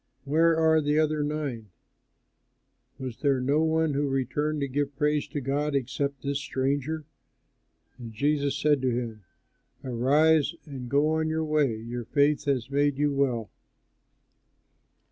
Where are the other nine? Was there no one who returned to give praise to God except this stranger?" And Jesus said to him, "Arise, and go on your way, your faith has made you well."